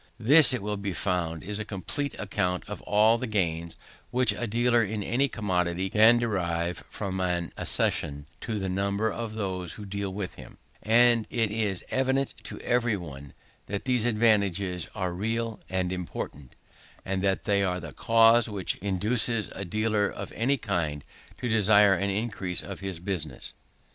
This, it will be found, is a complete account of all the gains which a dealer in any commodity can derive from an accession to the number of those who deal with him: and it is evident to every one, that these advantages are real and important, and that they are the cause which induces a dealer of any kind to desire an increase of his business.